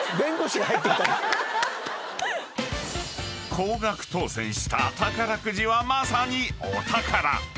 ［高額当せんした宝くじはまさにお宝］